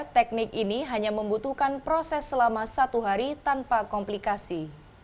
teknik ini hanya membutuhkan proses selama satu hari tanpa komplikasi